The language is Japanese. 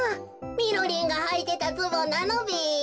みろりんがはいてたズボンなのべ？